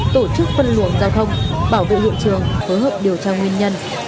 tổ chức phân luận giao thông bảo vệ hội trường phối hợp điều tra nguyên nhân